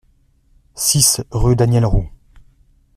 six rue Daniel Roux